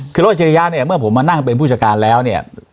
คือรถอัจฉริยะเนี่ยเมื่อผมมานั่งเป็นผู้จัดการแล้วเนี่ย